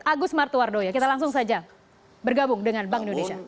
agus martuardo ya kita langsung saja bergabung dengan bank indonesia